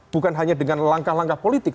bukan hanya dengan langkah langkah politik